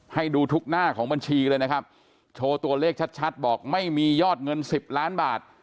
ให้ดูทุกหน้าของบัญชีเลยนะครับโชว์ตัวเลขชัดชัดบอกไม่มียอดเงิน๑๐ล้านบาท